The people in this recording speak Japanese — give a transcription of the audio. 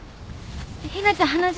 ひなちゃん鼻血。